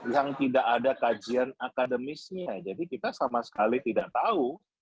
yang tidak ada kajian akademisnya jadi kita sama sekali tidak tahu